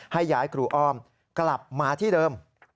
ให้ย้ายครูอ้อมกลับมาที่เดิม